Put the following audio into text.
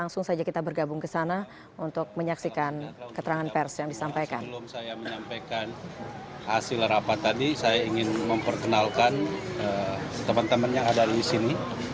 hasil rapat tadi saya ingin memperkenalkan teman teman yang ada di sini